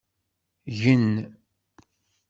Gen!